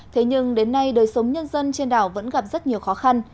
thế nhưng đến nay đời sống nhân dân trên đảo vẫn gặp rất nhiều khó khăn